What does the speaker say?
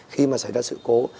khi mà xảy ra sự cố